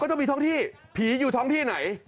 ต้องมีท้องที่ผีอยู่ท้องที่ไหน